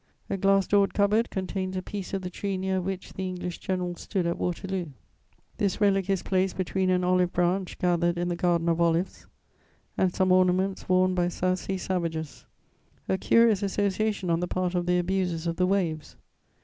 A glass doored cupboard contains a piece of the tree near which the English general stood at Waterloo; this relic is placed between an olive branch gathered in the Garden of Olives and some ornaments worn by South Sea savages: a curious association on the part of the abusers of the waves.